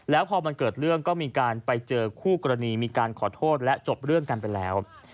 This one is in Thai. แล้วพอมันเกิดเรื่องก็มีการไปเจอคู่กรณีมีการขอโทษและจบเรื่องกันไปแล้ว